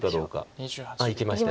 いきました。